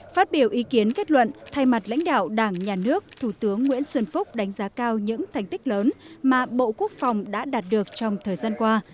phát biểu ý kiến kết luận thay mặt lãnh đạo đảng nhà nước thủ tướng nguyễn xuân phúc đánh giá cao những thành tích lớn mà bộ quốc phòng đã đạt được trong thời gian qua